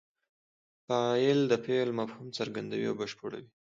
فاعل د فعل مفهوم څرګندوي او بشپړوي.